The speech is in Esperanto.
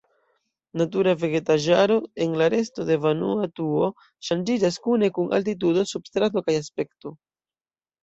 Natura vegetaĵaro en la resto de Vanuatuo ŝanĝiĝas kune kun altitudo, substrato, kaj aspekto.